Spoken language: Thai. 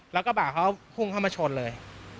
แล้วกระบะเขาพุ่งเข้ามาชนเลย